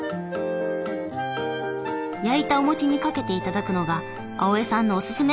焼いたお餅にかけて頂くのが青江さんのおすすめ。